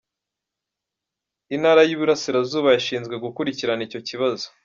Intara y’i Burasirazuba yashinzwe gukurikirana icyo kibazo.